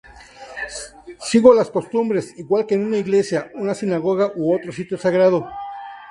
Sigo las costumbres, igual que en una iglesia, una sinagoga u otro sitio sagrado.